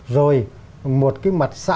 rồi một cái mặt sạc